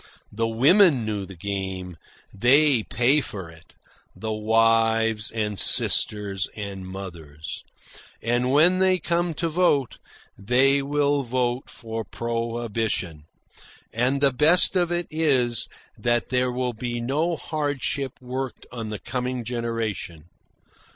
The women know the game. They pay for it the wives and sisters and mothers. And when they come to vote, they will vote for prohibition. And the best of it is that there will be no hardship worked on the coming generation.